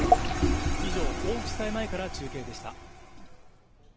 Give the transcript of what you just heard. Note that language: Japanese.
以上、甲府地裁前から中継でした。